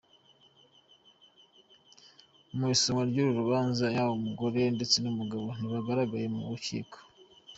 Mu isomwa ry’uru rubanza yaba umugore ndetse n’umugabo ntibagaragaye mu rukiko.